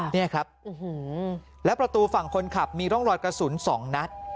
นี่ครับแล้วประตูฝั่งคนขับมีร่องรอยกระสุน๒นัด